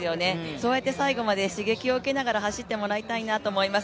そうやって最後まで刺激を受けながら走ってもらいたいなと思います。